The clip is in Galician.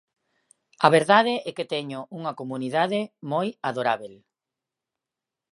A verdade é que teño unha comunidade moi adorábel.